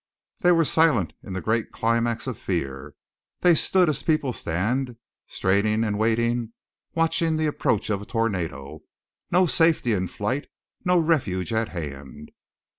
They were silent in the great climax of fear; they stood as people stand, straining and waiting, watching the approach of a tornado, no safety in flight, no refuge at hand.